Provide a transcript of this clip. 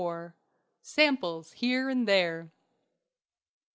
"SAMPLES" HERE AND THERE.